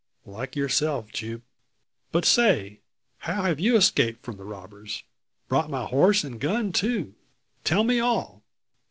"Like yourself, Jupe. But say! How have you escaped from the robbers? Brought my horse and gun too! Tell me all!"